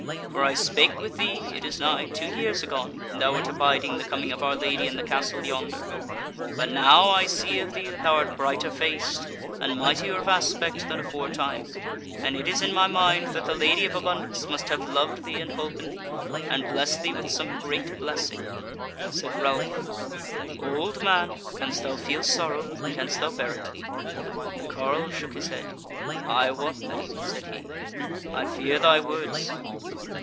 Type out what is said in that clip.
For I spake with thee, it is nigh two years agone, when thou wert abiding the coming of our Lady in the castle yonder But now I see of thee that thou art brighter faced, and mightier of aspect than aforetime, and it is in my mind that the Lady of Abundance must have loved thee and holpen thee, and blessed thee with some great blessing." Said Ralph: "Old man, canst thou feel sorrow, and canst thou bear it?" The carle shook his head. "I wot not," said he, "I fear thy words."